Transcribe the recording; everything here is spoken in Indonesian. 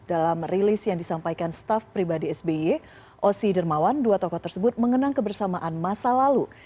dalam rilis yang disampaikan staff pribadi sby osi dermawan dua tokoh tersebut mengenang kebersamaan masa lalu